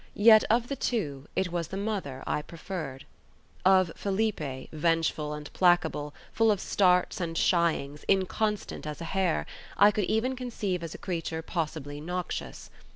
Yet of the two, it was the mother I preferred. Of Felipe, vengeful and placable, full of starts and shyings, inconstant as a hare, I could even conceive as a creature possibly noxious.